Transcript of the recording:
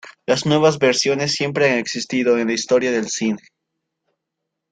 Las nuevas versiones siempre han existido en la historia del cine.